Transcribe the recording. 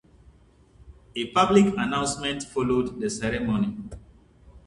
A public announcement followed the ceremony.